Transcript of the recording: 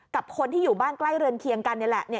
กับคนที่อยู่บ้านใกล้เรือนเคียงกันนี่แหละ